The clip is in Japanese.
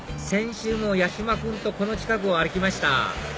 先週も八嶋君とこの近くを歩きました